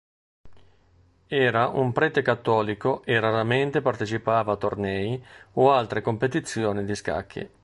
Era un prete cattolico e raramente partecipava a tornei o altre competizioni di scacchi.